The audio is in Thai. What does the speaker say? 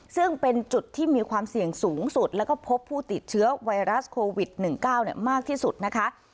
ซึ่งเป็นจุดที่มีความเสี่ยงสูงสุดแล้วก็พบผู้ติดเชื้อไวรัสโควิด๑๙มากที่สุดนะคะ